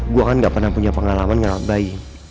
gue kan gak pernah punya pengalaman ngalah bayi